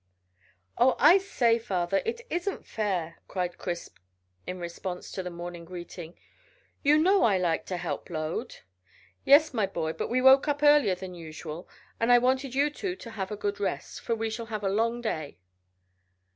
"Oh, I say, father, it isn't fair," cried Chris, in response to the morning greeting. "You know I like to help load." "Yes, my boy, but we woke earlier than usual, and I wanted you two to have a good rest, for we shall have a long day."